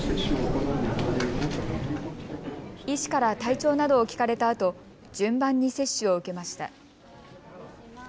医師から体調などを聞かれたあと順番に接種を受けました。